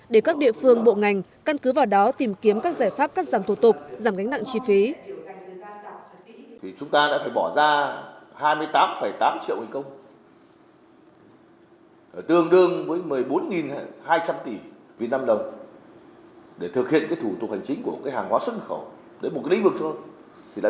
để các địa phương bộ ngành căn cứ vào đó tìm kiếm các giải pháp cắt giảm thủ tục giảm gánh nặng chi phí